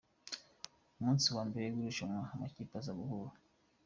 Ku munsi wa mbere w’irushanwa uko amakipe aza guhura